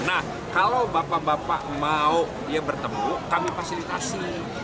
nah kalau bapak bapak mau bertemu kami fasilitasi